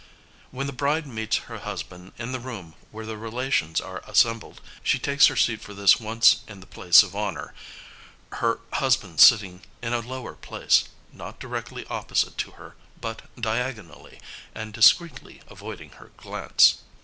When the bride meets her husband in the room where the relations are assembled, she takes her seat for this once in the place of honour, her husband sitting in a lower place, not directly opposite to her, but diagonally, and discreetly avoiding her glance.